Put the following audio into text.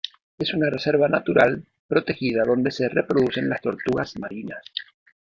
Es una reserva natural protegida donde se reproducen las tortugas marinas.